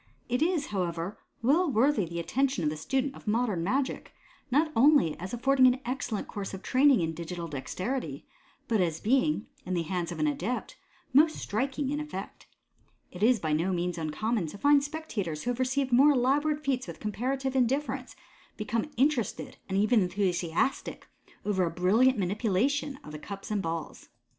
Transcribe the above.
It is, however, well worthy the attention of the student of modem magic, not only as affording an excellent course of training in digital dexterity, but as being, in the hands of an adept, most striking in effect. It is by no means uncommon to find spectators who have received more elaborate feats with comparative indifference, become interested, and even enthusiastic, over a brilliant manipulation of the cups and balls.